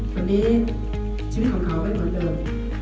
วันนี้ชีวิตของเราไม่เหมือนเดิม